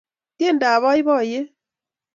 tiendab boiboiyet